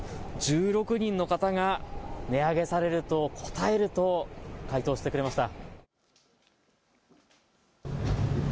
１６人の方が値上げされるとこたえると回答してくれました。